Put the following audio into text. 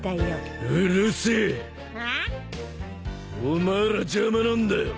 お前ら邪魔なんだよ。